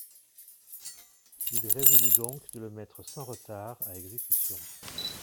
Il résolut donc de le mettre sans retard à exécution.